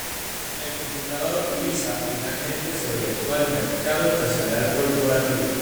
El computador Lisa finalmente se orientó al mercado empresarial corporativo.